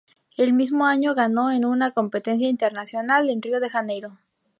El mismo año ganó en una competencia internacional en Río de Janeiro.